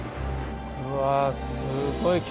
うわすっごい煙。